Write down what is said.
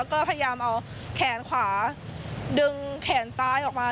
ก็พยายามเอาแขนขวาดึงแขนซ้ายออกมา